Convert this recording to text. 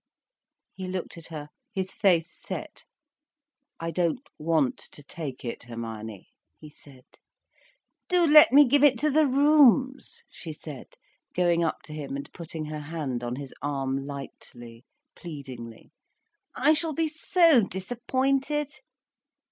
He looked at her, his face set. "I don't want to take it, Hermione," he said. "Do let me give it to the rooms," she said, going up to him and putting her hand on his arm lightly, pleadingly. "I shall be so disappointed."